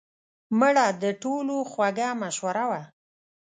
مړه د ټولو خوږه مشوره وه